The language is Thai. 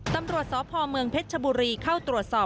ตำรวจสพเมืองเพชรชบุรีเข้าตรวจสอบ